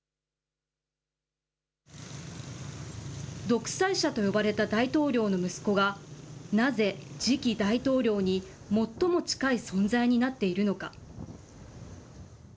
独裁者と呼ばれた大統領の息子がなぜ、次期大統領に最も近い存在になっているのか。